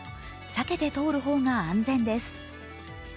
避けて通る方が安全です。